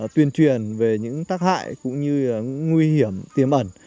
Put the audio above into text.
tuyên truyền về những tác hại cũng như nguy hiểm tiềm ẩn